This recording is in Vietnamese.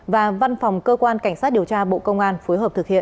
và văn phòng cơ quan cảnh sát điều tra bộ công an phối hợp thực hiện